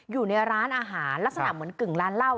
อยู่ในร้านอาหารลักษณะเหมือนกึ่งร้านเหล้า